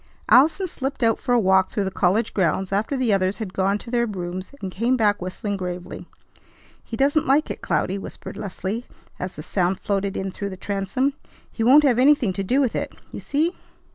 Allison slipped out for a walk through the college grounds after the others had gone to their rooms, and came back whistling gravely. "He doesn't like it, Cloudy," whispered Leslie as the sound floated in through the transom. "He won't have anything to do with it. You see!"